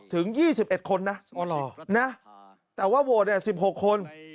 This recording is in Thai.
ถึง๒๑คนนะแต่ว่าโหวต๑๖คน